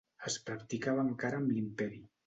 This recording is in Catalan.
Es practicava encara amb l'Imperi.